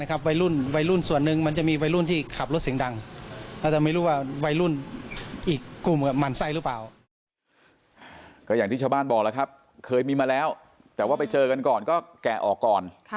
ก็อย่างที่ชาวบ้านบอกแล้วครับเคยมีมาแล้วแต่ว่าไปเจอกันก่อนก็แกะออกก่อน